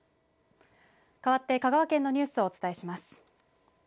かわって香川県のニュースをお伝えします。